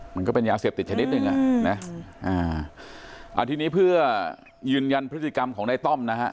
มันก็เป็นยาเสพติดชนิดหนึ่งอ่ะนะทีนี้เพื่อยืนยันพฤติกรรมของในต้อมนะฮะ